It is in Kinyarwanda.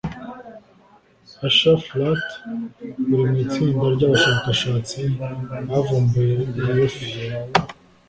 Asher Flatt uri mu itsinda ry’abashakashatsi bavumbuye iyo fi